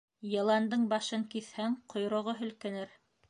Йыландың башын киҫһәң, ҡойроғо һелкенер.